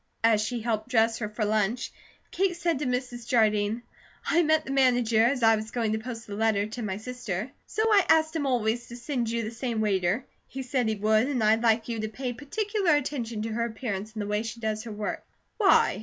As she helped dress her for lunch, Kate said to Mrs. Jardine: "I met the manager as I was going to post a letter to my sister, so I asked him always to send you the same waiter. He said he would, and I'd like you to pay particular attention to her appearance, and the way she does her work." "Why?"